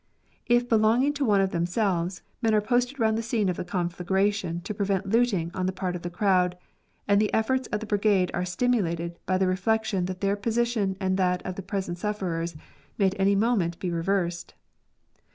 If be longing to one of themselves, men are posted round the scene of the conflagration to prevent looting on the part of the crowd, and the efibrts of the brigade are stimulated by the reflection that their position and that of the present sufierers may at any moment be reversed.